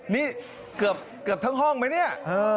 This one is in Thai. นี่เกือบทั้งห้องไหมเนี่ย